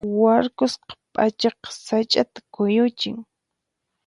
Warkusqa p'achaqa sach'ata kuyuchin.